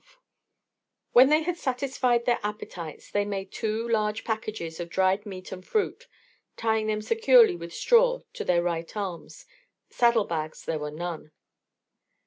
XII When they had satisfied their appetites they made two large packages of dried meat and fruit, tying them securely with straw to their right arms: saddle bags there were none.